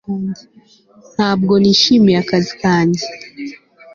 Ntabwo nishimiye akazi kanjye